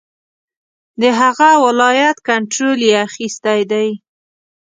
د هغه ولایت کنټرول یې اخیستی دی.